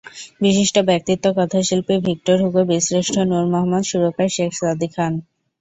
বিশিষ্ট ব্যক্তিত্ব—কথাশিল্পী Victor Hugo, বীরশ্রেষ্ঠ নূর মোহাম্মদ, সুরকার শেখ সাদী খান।